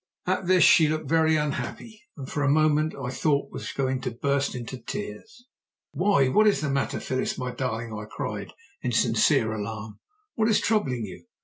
At this she looked very unhappy, and for a moment I thought was going to burst into tears. "Why! What is the matter, Phyllis, my darling?" I cried in sincere alarm. "What is troubling you?"